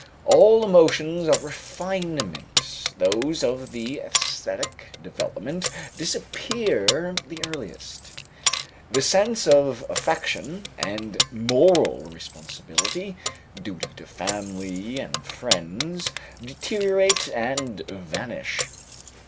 All emotions of refinement, those of the esthetic development, disappear the earliest. The sense of affection and moral responsibility, duty to family and friends deteriorate and vanish.